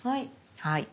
はい。